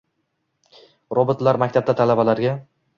Robotlar maktabda talabalarga